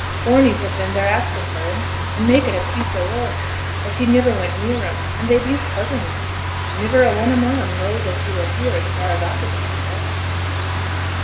Corneys has been theere askin' for him, an' makin' a piece o' work, as he niver went near em; and they bees cousins. Niver a one among 'em knows as he were here as far as a could mak' out.'